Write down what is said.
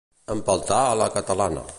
Empeltar a la catalana.